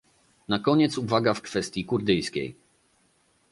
Na koniec uwaga w kwestii kurdyjskiej